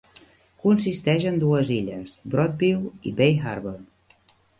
Consisteix en dues illes: Broadview i Bay Harbor.